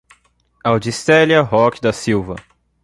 Audicelia Roque da Silva